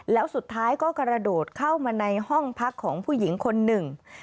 แล้วสุดท้ายก็กระโดดเข้ามาในห้องพักของผู้หญิงคนหนึ่ง